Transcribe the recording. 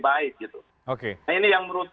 baik ini yang menurut